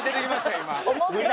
今。